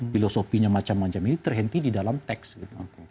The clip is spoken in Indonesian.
filosofinya macam macam ini terhenti di dalam teks gitu